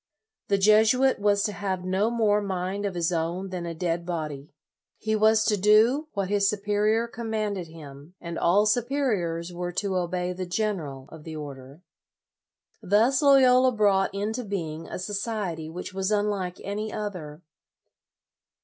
The Jesuit was to have no more mind of his own than a dead body. He w 7 as to do what his superior commanded him, and LOYOLA 71 all superiors were to obey the general of the order. Thus Loyola brought into being a so ciety which was unlike any other.